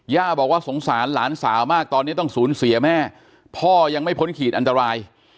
ย่าบอกว่าสงสารหลานสาวมากตอนนี้ต้องสูญเสียแม่พ่อยังไม่พ้นขีดอันตราย